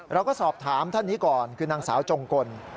เราก็สอบถามท่านนี้ก่อนคือนางสาวจงกล